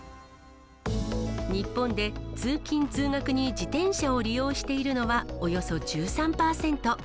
日本で通勤・通学に自転車を利用しているのは、およそ１３％。